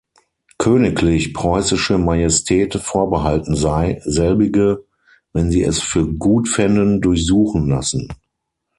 Königlich preussische Majestät vorbehalten sei, selbige, wenn Sie es für gut fänden, durchsuchen lassen.